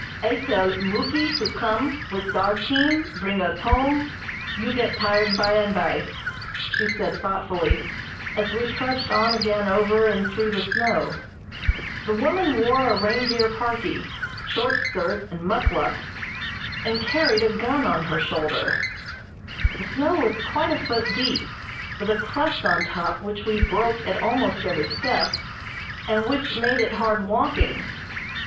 "I tell Muky to come with dog team, bring us home, you get tired by and by," she said thoughtfully, as we trudged on again over and through the snow. The woman wore a reindeer parkie, short skirt, and muckluks, and carried a gun on her shoulder. The snow was quite a foot deep, with a crust on top which we broke at almost every step, and which made it hard walking.